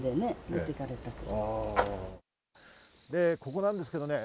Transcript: ここなんですけどね。